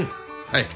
はい。